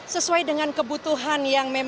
sesuai dengan kebutuhan yang memang